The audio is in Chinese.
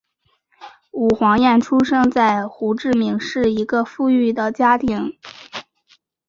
武黄燕出生在胡志明市一个富裕的家庭。